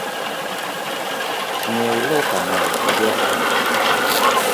Ng’ieu lo kamoro iger ot